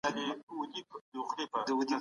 موږ د پوهې په کاروان کي روان يو.